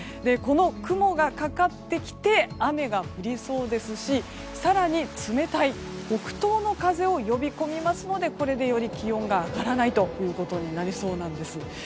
この雲がかかってきて雨が降りそうですし更に冷たい北東の風を呼び込みますのでこれでより気温が上がらないということになりそうです。